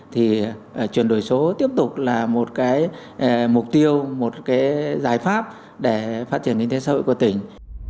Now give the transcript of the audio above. thì chuyển đổi số tiếp tục là một cái mục tiêu một cái giải pháp để phát triển kinh tế xã hội của tỉnh